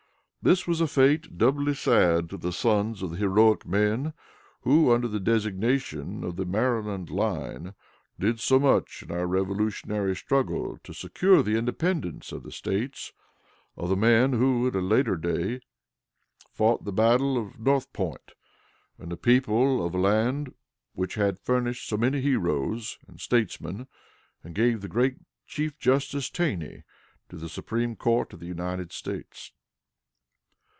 This was a fate doubly sad to the sons of the heroic men who, under the designation of the "Maryland Line," did so much in our Revolutionary struggle to secure the independence of the States; of the men who, at a later day, fought the battle of North Point; of the people of a land which had furnished so many heroes and statesmen, and gave the great Chief Justice Taney to the Supreme Court of the United States.